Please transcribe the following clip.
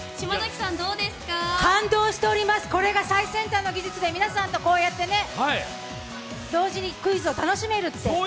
感動しております、これが最先端の技術で皆さんとこうやって、同時にクイズを楽しめるって。